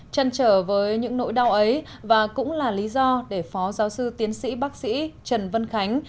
chân trở với những nỗi đau ấy và cũng là lý do để phó giáo sư tiến sĩ bác sĩ trần vân khánh